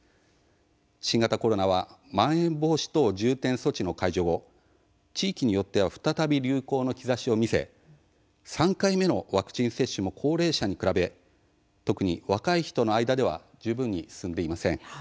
新型コロナはまん延防止等重点措置の解除後地域によっては再び流行の兆しを見せ３回目のワクチン接種も高齢者に比べ特に若い人の間では十分に進んでいません。